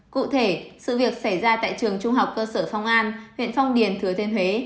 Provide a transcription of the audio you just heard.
cụ thể sự việc xảy ra tại trường trung học cơ sở phong an huyện phong điền thừa thiên huế